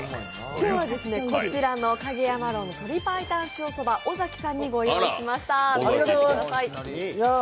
今日はこちらの蔭山樓の鶏白湯塩そば、尾崎さんにご用意しました。